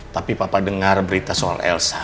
tapi papa dengar berita soal elsa